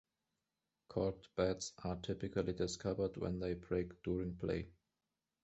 Corked bats are typically discovered when they break during play.